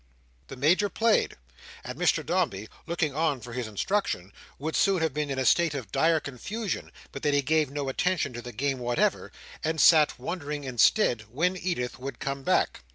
The Major played; and Mr Dombey, looking on for his instruction, would soon have been in a state of dire confusion, but that he gave no attention to the game whatever, and sat wondering instead when Edith would come back.